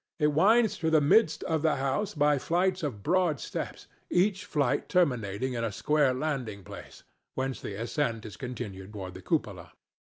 It winds through the midst of the house by flights of broad steps, each flight terminating in a square landing place, whence the ascent is continued toward the cupola.